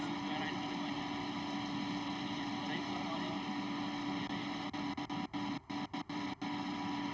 ya memang presiden jokowi sudah tiba